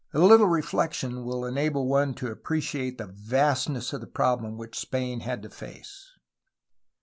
A little reflection will enable one to appreciate the vastness of the problem which Spain had to face.